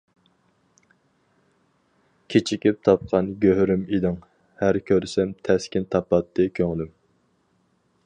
كېچىكىپ تاپقان گۆھىرىم ئىدىڭ، ھەر كۆرسەم تەسكىن تاپاتتى كۆڭلۈم.